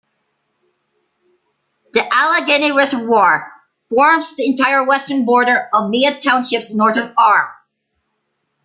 The Allegheny Reservoir forms the entire western border of Mead Township's northern arm.